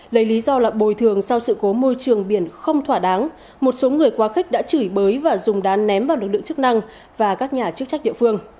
lấy lý do là bồi thường sau sự cố môi trường biển không thỏa đáng một số người quá khích đã chửi bới và dùng đá ném vào lực lượng chức năng và các nhà chức trách địa phương